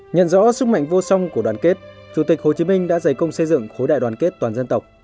nhận rõ sức mạnh vô song của đoàn kết chủ tịch hồ chí minh đã dày công xây dựng khối đại đoàn kết toàn dân tộc